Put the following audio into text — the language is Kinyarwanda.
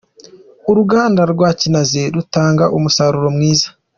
Uruganda rwa Kinazi Ruratanga Umusaruro Mwiza